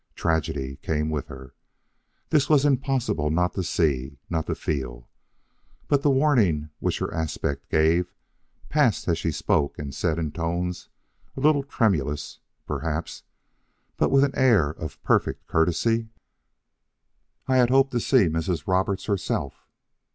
Tragedy came with her. This it was impossible not to see not to feel. But the warning which her aspect gave passed as she spoke and said in tones a little tremulous, perhaps, but with an air of perfect courtesy: "I had hoped to see Mrs. Roberts herself."